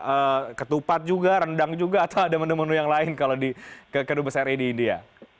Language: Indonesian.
ya ketupat juga rendang juga atau ada menu menu yang lain kalau di kedua besar ini di india